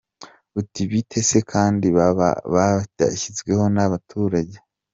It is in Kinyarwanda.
Uti bite se kandi baba batashyizweho n’abaturage?.